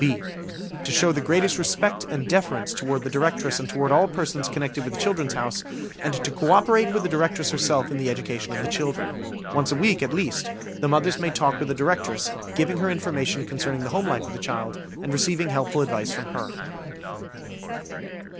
(b) To show the greatest respect and deference toward the Directress and toward all persons connected with the "Children's House", and to co operate with the Directress herself in the education of the children. Once a week, at least, the mothers may talk with the Directress, giving her information concerning the home life of the child, and receiving helpful advice from her.